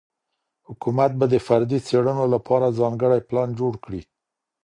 حکومت به د فردي څېړنو لپاره ځانګړی پلان جوړ کړي.